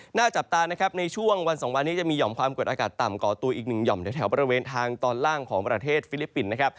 หน้าจับตานะครับในช่วงวันสองวันนี้จะมีห่อมความกดอากาศต่ำก่อตัวอีกหนึ่งห่อมแถวบริเวณทางตอนล่างของประเทศฟิลิปปินส์นะครับ